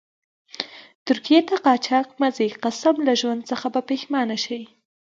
ترکيې ته قاچاق مه ځئ، قسم لا ژوند څخه به پیښمانه شئ.